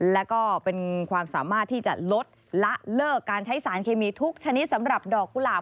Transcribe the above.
แล้วก็เป็นความสามารถที่จะลดละเลิกการใช้สารเคมีทุกชนิดสำหรับดอกกุหลาบ